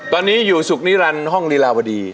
ตอนนี้อยู่สุขนิรันดิห้องลีลาวดี